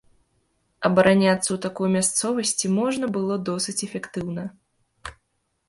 Абараняцца ў такой мясцовасці можна было досыць эфектыўна.